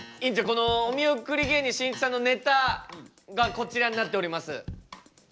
このお見送り芸人しんいちさんのネタがこちらになっております。